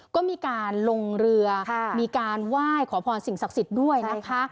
ก็มีการลงเรือมีการไหว้ขอพรสิ่งศักดิ์สิทธิ์ด้วยนะคะ